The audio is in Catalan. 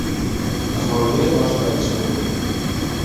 Les melodies no han sobreviscut.